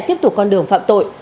đại tiếp tục con đường phạm tội